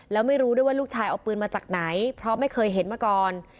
แล้วไม่รู้ด้วยว่าลูกชายเอาปืนมาจากไหนเพราะไม่เคยเห็นมาก่อน